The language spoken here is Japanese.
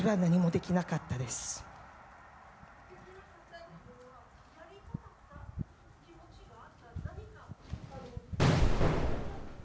できなかったというのはやりたかった気持ちがあったのか。